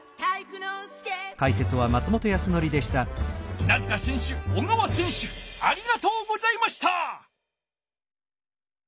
稲塚選手小川選手ありがとうございました！